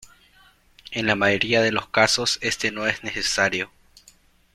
En la mayoría de los casos esto no es necesario.